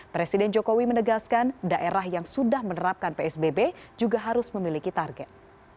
presiden jokowi menegaskan daerah yang sudah menerapkan psbb juga harus memiliki target